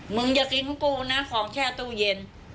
มึงอย่ากินของกูนะของแค่ตู้เย็น